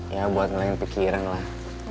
ya buat nelayan pikiran lah